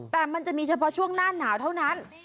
แต่มันจะมีเฉพาะช่วงหน้าหนาวเท่านั้น